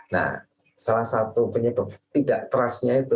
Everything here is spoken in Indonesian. nah salah satu penyebab tidak trustnya itu